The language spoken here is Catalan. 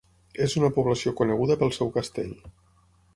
És una població coneguda pel seu castell.